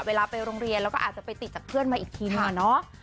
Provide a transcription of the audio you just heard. เวลาไปโรงเรียนแล้วก็อาจจะไปติดจากเพื่อนมาอีกทีนึงอะเนาะ